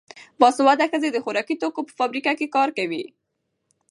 باسواده ښځې د خوراکي توکو په فابریکو کې کار کوي.